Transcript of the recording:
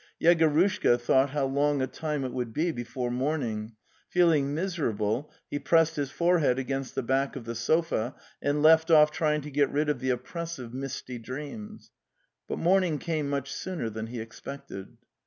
Yegorushka thought how long a time it would be before morning; feeling mis erable, he pressed his forehead against the back of the sofa and left off trying to get rid of the oppres sive misty dreams. But morning came much sooner than he expected.